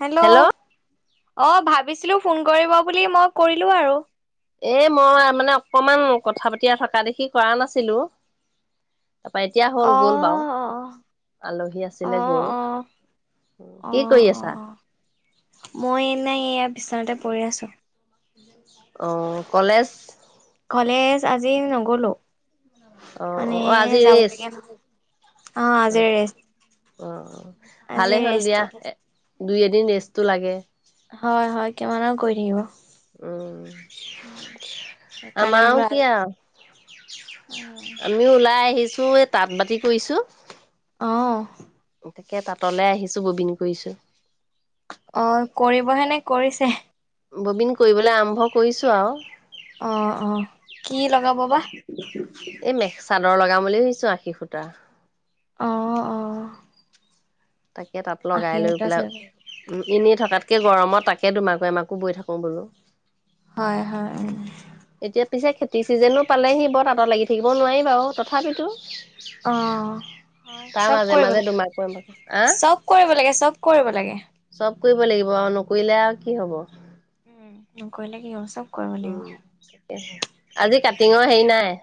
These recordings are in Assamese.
হেল্ল'। অ ভাবিছিলো ফোন কৰিব বুলি মই কৰিলো আৰু। এ মই মানে অকমান কথা পাতিয়ে থকা দেখি কৰা নাছিলো। তাৰপা এতিয়া হ'ল অ গল বাৰু, অ আলহী আছিলে গল, অ অ কি কৰি অ অ আছা? স্থানতে পৰি আছো। অ কলেজ। কলেজ আজি নগ'লো। অঁ অঁ মানে অঁ অঁ, আজি ৰেচ যাবলগীয়া নহল অ আজি ৰেষ্ট অ আজি ভালেই হ'ল দিয়া ৰেষ্টত এ আছে দুই এদিন ৰেচ। ৰেচটো লাগে। হয় হয় কিমান আৰু কৈ থাকিম। উম সেইকাৰণে বোলো আমাৰও কি আও আজি আমিও ওলাই আহি। ছো এ তাঁত বাতি কৰিছো। অঁ। তাকে তাতলে আহিছোঁ ববিন কৰিছোঁ। অঁ। কৰিবহে নে কৰিছে। ববিন কৰিবলৈ আৰম্ভ কৰিছো আৰু। অঁ অঁ, কি লগাব বা। এই মেখ চাদৰ লগাম বুলি ভাবিছো আশী সুতা অ অ তাকে তাত লগাই লৈ আশীটা পেলাই। চাদৰ এনে থকাতকে গৰমত তাকে দুমাকৈ এমাকো বৈ থাকো বলো। হয় হয়। এতিয়া পিছে খেতি চিজনো পালেহি বৰ তাঁত লাগি থাকিব নোৱাৰি বাৰু তথাপিতো। অ হয় তাৰ চব মাজে কৰিব মাজে লাগে দুমাকো এমাকো আহ চব কৰিব লাগে চব কৰিব লাগে। চব কৰিব লাগিব আৰু নকৰিলে আৰু কি হব। উম কলে কি হব চব। কৰিব লাগিব উম সেইতোয়ে। আজি কাটিঙৰ হেৰি নাই।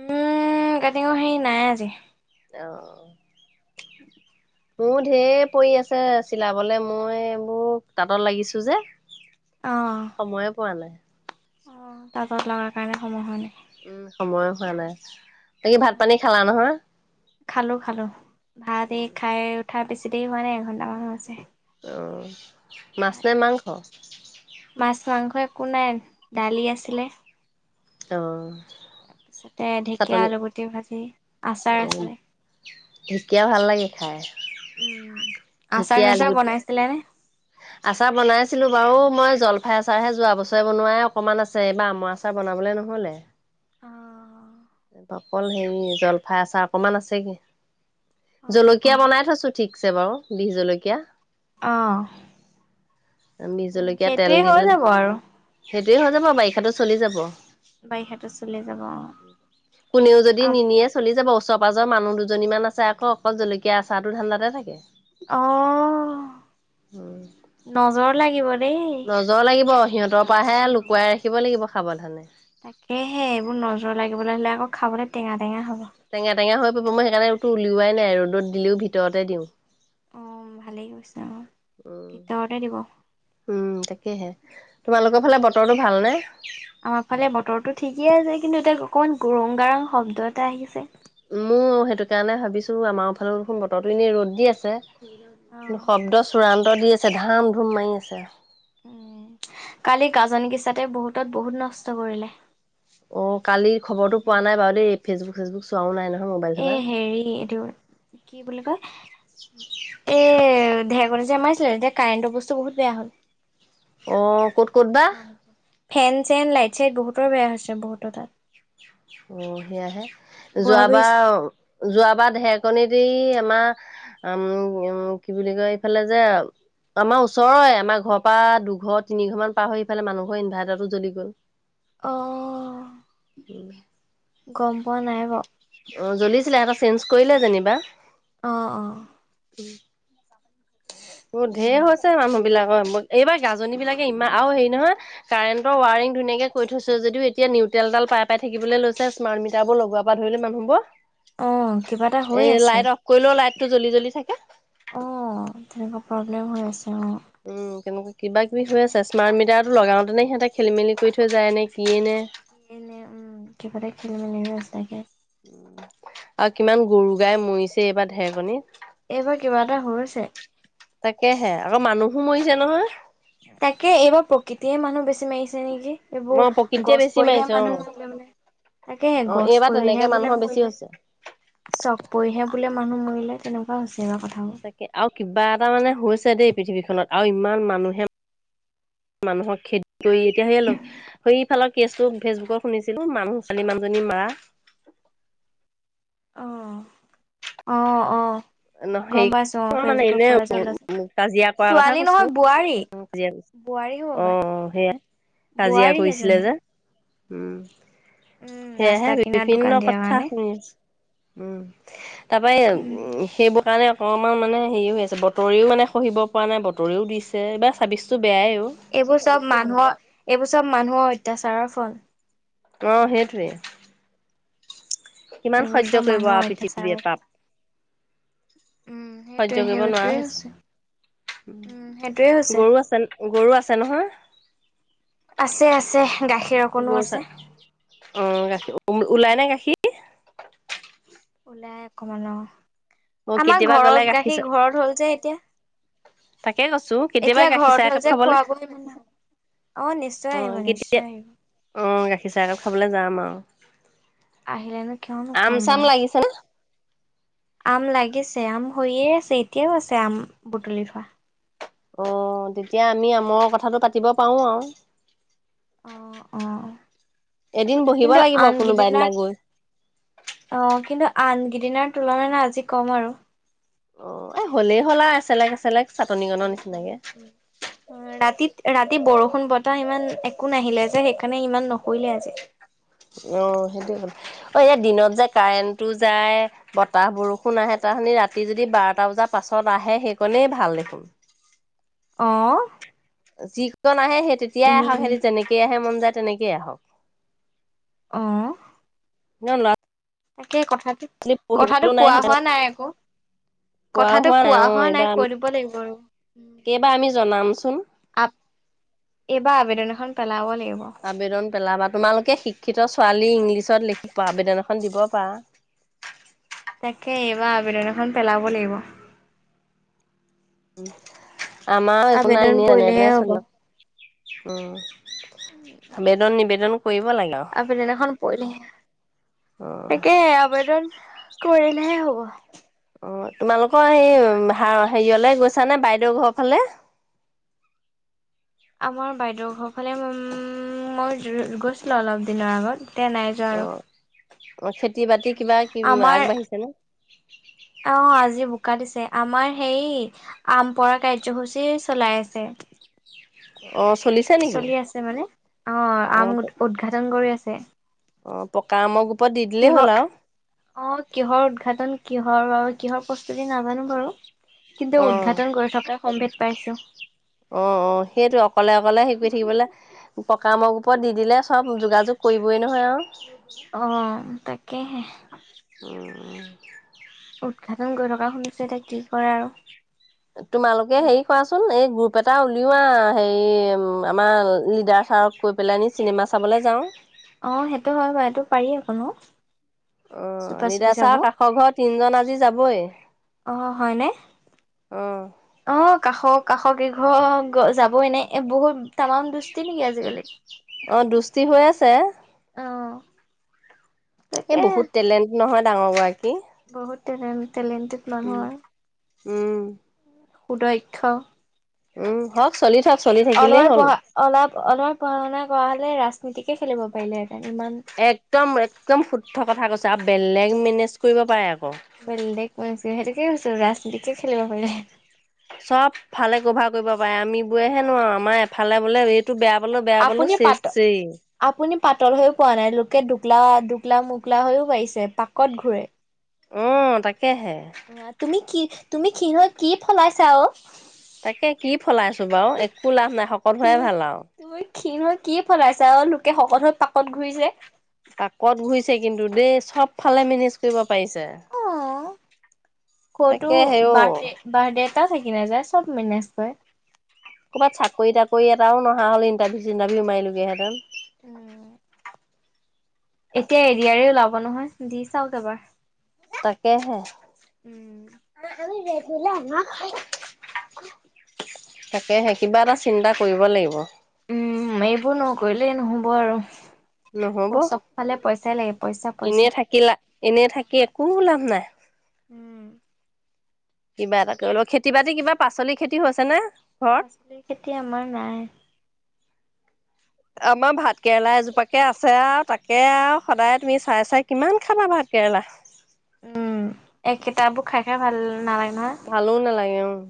উম কাটিঙৰ সেই নাই আজি। অ'। উম। মোৰ ঢেৰ পৰি আছে চিলাবলে মই এইবোৰ তাঁতত লাগিছো যে। অ সময়ে পোৱা নাই। প'ত লগাৰ কাৰণে সময় হয় নাই। উম সময়ো হোৱা নাই। বাকী ভাত পানী খালা নহয়? খালো খালো। ভাতে খাই উ উঠা বেছি দেৰি হোৱা নাই এঘণ্টা মান হৈছে অঁ মাছে মাংস মাছ মাংস একো নাই দালি আছিলে। অঁ! তাৰপিছতে ঢেকীয়া আলুগুটি ভাজি আচাৰ অ', আছিলে ঢেকীয়া ভাল লাগে খাই, উম ঢেকীয়া আচাৰ আচাৰ আলুগুটি। বনাইছিলে নে আচাৰ বনাইছিলো বাৰু মই জলফাই আচাৰহে যোৱা বছৰে বনোৱাই অকনমান আছে এইবাৰ আমৰ আচাৰ বনাবলে নহলে।। অঁ! অকল হেৰি জলফাই আচাৰ অকণমান আছেগৈ অ জলকীয়া অ বনাই থছো ঠিক।। থৈছে বাৰু বি জলকীয়া আহ বিহ জলকীয়া তেল সেইটোৱে দি পেলাই হৈ যাব আৰু সেইটোৱে হৈ যাব বাৰিষাটো চলি যাব বাৰিষাটো চলি যাব অঁ কোনেও যদি নিনিয়ে চলি যাব ওচৰ পাজৰ মানুহ দুজনীমান আছে আকৌ অকল জলকীয়া আচাৰ ধান্ডাতে থাকে অঁ! উম, নজৰ লাগিব দেই। নজৰ লাগিব সিহঁতৰ পৰাহে লুকুৱাই ৰাখিব লাগিব সাৱধানে তাকেহে এইবোৰ নজৰ লাগিবলৈ হিললে আকৌ খাবলৈ টেঙা টেঙা হ'ব। টেঙা টেঙা হৈ। মই সেইকাৰণেতটো উলওৱাই ৰদত দিলেও ভিতৰতে দিওঁ অ ভালেই কৈছে অ উম। ভিতৰতে দিব উ উম তাকেহে। তোমালোকৰ ফালে বতৰটো ভালনে? আমাৰ ফালে বতৰটো ঠিকেই আছে কিন্তু এতিয়া কণ গুৰং গাৰাং শব্দ এটা আহিছে মোৰ সেইটো কাৰণে ভাবিছো আমাৰ ফালে দেখোন বতৰটো এনেই ৰ'দ দি আছে কি অ', শব্দ চূড়ান্ত দি আছে ধাম ধুম মাৰি আছে উ কালি গাজনি গিচাতে বহুতত বহুত নষ্ট কৰিলে অ কালি খবৰতটো পোৱা নাই বাৰু দেই ফেচবুক ফেচবুক চোৱাও নাই নহয় মোবাইল এ চোবাইল। হেৰি এইটো কি বুলি কয় এ মাইছিলে তেতিয়া কাৰেণ্টৰ বস্তু বহুত বেয়া হ'ল অ ক'ত ক'ত বা? মানুহে ফেন চেন লাইট চাইট বহুতৰ বেয়া হৈছে বহুতৰ তাত অ সেয়াহে বুঢ়া বুঢ়ী যোৱাবাৰ যোৱাবাৰ ঢেৰকণী দি আমাৰ উম উম কি বুলি কয় ইফালে যে আমাৰ ওচৰৰে আমাৰ ঘৰৰ পৰা দুঘৰ তিনি ঘৰ মান পাৰ হৈ ইফালে মানুহৰ ইনভাৰ্টাৰটো জ্বলি গ'ল। অহ। গম পোৱা নাই বাওঁ। চেনজ কৰিলে যেনিবা। অহ অহ। উম [unintelligible] উ উম ঢেৰ হৈছে মানুহ। বিলাকৰ এইবাৰ গাজনী বিলাকে ইমান আৰু হেৰি নহয় কাৰেণ্টৰ ৱাৰিং ধুনীয়াকে কৈ থৈছ যদিও এতিয়া নিউট্ৰেলডাল পাই পাই থাকিবলৈ লৈছে স্মাৰ্ট মিটাৰ বোৰ লগোৱাৰ পৰা ধৰিলে অ কিবা এটা মানুহবোৰ। হৈ এ আছে লাইট অফ কৰিলেও লাইট। টো জলি জলি থাকে। অ তেনেকুৱা প্ৰব্লেম হৈ আছে। অ উম কেনেকুৱা কিবা কিবি হৈ তাকে আছে স্মাৰ্ট কিবা মিটাৰটো লগাওতেনে সিহঁতে। খেলি মেলি কৰি থৈ যায় এনেকৈ। কি ন উম কিবাটা খেলি মেলি চাগে। আৰু কিমান গৰু গাই মৰিছে এইবাৰ ঢেৰকনিতত। এইবাৰ কিবা এটা হৈছে তাকেহে আকৌ মানুহো মৰিছে নহয়। তাকে এইবাৰ প্ৰকৃৃত। ধেই মানুহ বেছি মাৰিছে নেকি। অ, এইবোৰ প্ৰকৃতিয়ে গছ বেছি পৰিহে মাৰিছে অ, মানুহ মৰিলে মানে তাকেহে অ, গছ এইবাৰ তেনেকে পৰিহে বোলে মানুহৰ বেছি মৰিলে হৈছে চক পৰিহে বোলে মানুহ মৰিলে। তেনেকুৱা হৈছে। এইবাৰ কথাবোৰ তাকে আৰু কিবা এটা মানে হৈছে দেই। পৃথিৱীখনত আৰু ইমান মানুহে মানুহক খেতি কৰি এতিয়া সেই সেইফালৰ কেছটো ফেচবুকৰ শুনিছিলো মানুহ ছোৱালী মানুহজনী মৰা। অহ অহ অ ন গম হেৰি পাইছো অ মানে ফেচবুকত এনে পুৰা যে ওলাইছে কাজিয়া কৰা কথা ছোৱালী কৈছো নহয় বোৱাৰী বোৱাৰী হ'ব অ পাই সেয়া কাজিয়া বোৱাৰী কৰিছিলে সেইজনী যে। উম। উম সেয়হে ৰাস্তা কিনাৰত বিভিন্ন দোকান দিয়াৰ কথা কাৰণে শুনিছো উম তাৰ পৰাই উম সেইবোৰ কাৰণে। অকণমান মানে হেৰি হৈ আছে বতৰিও মানে খহিব পৰা নাই বতৰিও দিছে এইবাৰ চাব্বভিচটো এইবোৰ চব মানুহৰ এইবোৰ চব। মানুহৰ অত্যাচাৰৰ ফল। অ সেইটোৱে। কিমান এইবোৰ সহ্য চব কৰিব মানুহৰ আৰু পৃথিৱী অত্যাচাৰৰ ফল এটাত। উম সেইটোৱে সহ্য কৰিব নোৱাৰা সেইটোৱে হৈছে, উম সেইটোৱে হৈছে গৰু আছে গৰু আছে নহয়। আছে আছে। গাখীৰ অকণো আছে অ গাখীৰ ওলাই নে গাখীৰ- ওলাই অকমান, অ'! অ' আমাৰ কেতিয়াবা গ'লে ঘৰত গাখীৰ চ, ঘৰত হ'ল যে এতিয়া তাকে কৈছোঁ, কেতিয়াবা এতিয়া গাখীৰ ঘৰত চাহ হ'ল একাপ যে খাবলৈ, খোৱাব অ নিশ্চয় অ'হ আহিব নিশ্চয় কেতিয়া, আহিব অ'হ গাখীৰ চাহ একাপ খাবলে যাম আৰু। [unintelligible] আহিলেনো কিয় আম নোখোৱাম চাম বাৰু! লাগিছে নে আম লাগিছে, আম হৈয়ে আছে। এতিয়াও আছে আম, বুটলি থোৱা। অ'হ তেতিয়া আমি আমৰ কথাটো পাতিব পাৰোঁ আৰু। অ' অ' এদিন বহিব কিন্তু লাগিব আন কোনোবা এদিনা গিদিনাত, গৈ। অ'হ কিন্তু আন সিদিনাৰ তুলনাত আজি কম আৰু অ' এ, হ'লেই হ'ল আৰু এছেলেক, এছেলেক। উ ৰাতিত ৰাতি বৰষুণ বতাহ ইমান একোঁ নাহিলে যে, সেইকাৰণে ইমান নহৰিলে আজি। অ সেইটো হ'ল, অ ইয়াত দিনত যে কাৰেণ্টটো যায়, বতাহ বৰষুণ আহে, তাহানি ৰাতি যদি বাৰটা বজাৰ পাছত আহে, সেই কণেই ভাল দেখোন। অ'হ! যিকন নাহে, সেই তেতিয়াই আহক, সিহঁতি যেনেকেইে আহে মন যায় তেনেকেই আহক। অ'হ। নহয় ল'ৰা সেই কথাটো, ছোৱালী কথাটো কোৱা হোৱা নাই আকৌ। কোৱা কথাটো হোৱা নাই, অ' এইবাৰ কৈ আমি, দিব লাগিব আৰু। এইবাৰ আমি জনামচোন। এইবাৰ আবেদনখন পেলাব লা আবেদন পেলাবা তোমালোকে শিক্ষিত ছোৱালী, ইংলিছত লিখি আবেদনখন দিব পাৰা। তাকে, এইবাৰ আবেদন এখন পেলাব লাগিব। উম! আমৰ একো নাই, আবেদন ইনেই এনেদৰে পৰিলেহে হ'ব। চলি উম! আবেদন নিবেদন কৰিব লাগে আৰু আবেদন এখন পৰিলে, অ তাকে আবেদন কৰিলে হে হ'ব। অ' তোমালোকৰ সেই, হেৰিয়লে গৈছা নে? বাইদেউৰ ঘৰৰ ফালে? আমাৰ বাইদেউৰ ঘৰৰ ফালে উম, মই গৈছিলোঁ অলপ দিনৰ আগত। এতিয়া নাই যোৱা অ আৰু, অ খেতি বাতি কিবা কি আমাৰ, আগবাঢ়িছে নে অ'হ আজি বোকা দিছে, তে আমাৰ হেৰি আম পৰা কাৰ্যসূচীৰ চলাই আছে। [unintelligible] নেকি চলি আছে মানে। অ' আম উদঘাটন কৰি আছে। তে অ পকা আমৰ ওপৰত দি দিলেই হ'ল আৰু অ কিহৰ উদঘাটন কিহৰ ব কিহৰ প্ৰস্তুতি নাজানো বাৰু কিন্তু অ উদঘাটন কৰি থকা সম্ভেদ পাইছো অ অ সেইটো অকলে অকলে শিকি পকিবলে পকা মগ ওপৰত দি দিলে চব যোগাযোগ কৰিবই নহয় আৰু অ তাকেহে [inaudible] অ উদঘাটন কৰি থকা শুনিছো এতিয়া কি কৰে আৰু তোমালোকে হেৰি কৰাচোন এই গ্ৰুপ পেটা উলিওৱা হেৰি আমাৰ লিডাৰ চাৰক কৈ পেলাইনি চিনেমা চাবলৈ যাও অ সেইটো হয় বাৰু এইটো পাৰি আকৌ ন অ চুপা চুপি চাব নিদাচাৰ কাষৰ ঘৰ তিনজন আজি যাবই অ হয়নে অঁ অ কাষৰ কাষ কেইঘৰ যাবই ন এ বহুত তামাম দুস্তি নেকি আজিকালি অ', দুষ্টি হৈ আছে, অ' এই তাকে বহুত টেলেণ্ট নহয় ডাঙৰগৰাকী বহুত এনে টেলেণ্টেড মানুহৰ উম সুদক্ষ উম হওক চলি থাক চলি থাকিলেই অলমান হ'ল। পঢ়া অলপ অলপমান পঢ়া শুনা কৰা হলে ৰাস ৰাজনীতিকে খেলিব পাৰিলে আৰু একদম একদম শুদ্ধ কথা কৈছে আৰু বেলেগ মেনেজ কৰিব পাৰে আকৌ কিছ ৰা [unintelligible] চব ভালে গোভ [unintelligible] কৰিব পাৰে আমি বোৰে হেনোৱাৰো আমাৰ এফালে বোলে বেয়া পালোঁ বেয়া পালোঁ আপুনি চেচ পাত চেই আপুনি পাতল হৈও পোৱা নাই লোকে দুকলা [unintelligible] দোকলা মোকলা হৈয়ও পাইছে পাকত ঘূৰে। [unintelligible] অ তাকে অ তুমি কি তুমি খিণ হৈ কি ফলাইছা অ [unintelligible] তাকে কি ফলাইছো বাৰু একো লাভ না তুমি, তুমি ক্ষিণ‌হৈ কি ফলাইছা অ' লো কে শকত হৈ পাকত ঘূৰিছে। পাকত ঘুৰিছে কিন্তু দেই। চব ফালে মেনেজ কৰিব পাৰিছে। অ'! ক'তো, তাকে হেও বাৰ্থডে, বাৰ্থডে এটা থাকি নাযায়, চব মেনেজ কৰে। ক'ৰবাত চাকৰি তাকৰি এটাও নহা হ'ল। ইণ্টাৰভিউ চিটাৰভিউ মাৰিলোগেহেঁন। উম! এতিয়া এ ডি আৰ ই ওলাব নহয়, দি চাওঁক এবাৰ। তাকেহে! তাকেহে কিবা এটা চিন্তা কৰিব লাগিব। উম এইবোৰ নকৰিলেই নহ'ব আৰু নহ'ব চবফালে পইচাই লাগে পইচা এনে পইচা থাকিলা, এনে থাকি একো লাভ নাই। কিবা এটা কৰিলেও, খেতি বাতি কিবা, পাচলি খেতি হৈছে নে? ঘৰত? পাচলিৰ খেতি আমাৰ নাই। আমাৰ ভাত কেৰেলা এজোপাকে আছে আৰু, তাকে আৰু, সদায় তুমি চাই, চাই কিমান খাবা, ভাত কেৰেলা। উম! একেইটাবোৰ খাই খাই ভাল নালাগে। নহয় ভালোঁ নালাগে, উম!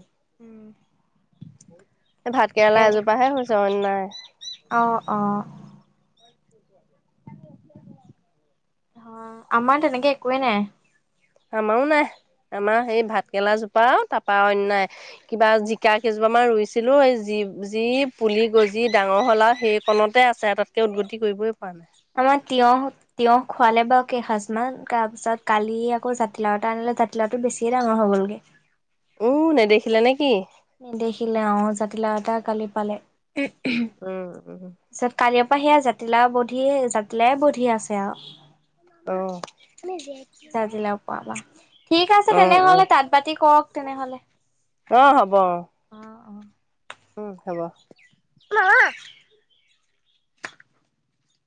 [inaudible] ভাত কেৰেলা এজোপা হে হৈছে, অন্য নাই। [unintelligible] অঁ! অঁ! অ' আমাৰ তেনেকে একোৱেই নাই। আমাৰো নাই। আমাৰ সেই ভাতকেৰেলা জোপ তপা আৰু, তাৰপৰা অন্য নাই। কিবা, জিকা কেইজোপামান ৰুইছিলোঁ, এই যি, যি পুলি গজি ডাঙৰ হ'ল আৰু, সেইকণতে আছে আৰু, তাতকৈ উদগতি কৰিবই পৰা নাই। আমাৰ তিয়হ, তিয়হ খুৱালে বাৰু কেইসাঁজমান। তাৰপিছত কালি আকৌ জাতিলাও এটা আনিলে, জাতিলাওটো বেছিয়ে ডাঙৰ হৈ গ'লগে। উ'! নেদেখিলে নে কি? নেদেখিলে অ'হ! জাতিলাও এটা কালি পালে। উম! তাৰপা সেইয়া জাতিলাও বধি, জাতিলাওয়ে বধি আছে আৰু। অ জাতিলাউ পৰা পা। ঠিক আছে অ তেনেহলে, অ তাঁত বাতি কৰক তেনেহ'লে। অ' হ'ব। ব অ'! অ' অ'। উম, হ'ব।